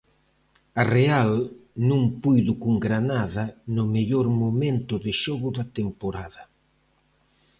A Real non puido cun Granada no mellor momento de xogo da temporada.